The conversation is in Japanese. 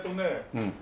うん。